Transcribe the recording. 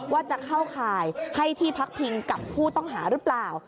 ว่าจะเข้าข่ายให้ที่พักพิงกับผู้ต้องหาหรือเปล่า